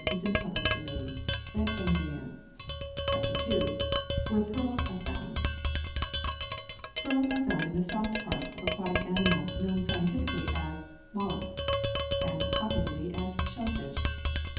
ii] WHERE PEARLS ARE FOUND 11 CHAPTER II WHERE PEARLS ARE FOUND PEARLS are found in the soft parts of aquatic animals known scientifically as molluscs, and popularly as shellfish.